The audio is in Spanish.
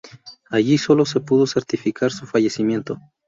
Allí sólo se pudo certificar su fallecimiento.